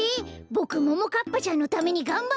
ボクももかっぱちゃんのためにがんばるよ！